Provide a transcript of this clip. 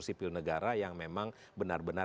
sipil negara yang memang benar benar